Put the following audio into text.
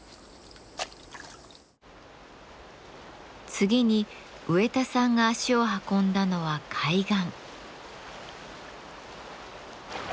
次に植田さんが足を運んだのは海岸。